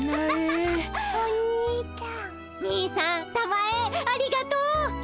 兄さんたまえありがとう。